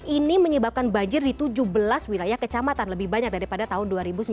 ini menyebabkan banjir di tujuh belas wilayah kecamatan lebih banyak daripada tahun dua ribu sembilan belas